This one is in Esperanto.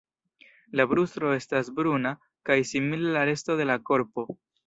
La brusto estas bruna kaj simile la resto de la korpo.